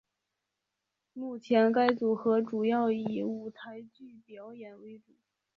目前该组合主要以舞台剧表演为主。